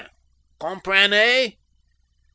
Comprenez?